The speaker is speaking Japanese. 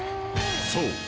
［そう。